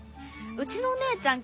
うちのお姉ちゃん